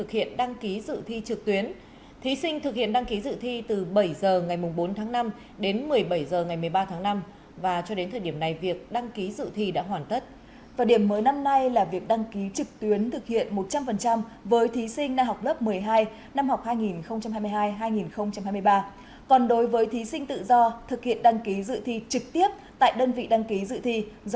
còn đối với thí sinh tự do thực hiện đăng ký dự thi trực tiếp tại đơn vị đăng ký dự thi do sở giáo dục và đào tạo quy định